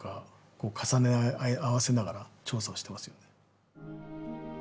こう重ね合わせながら調査をしてますよね。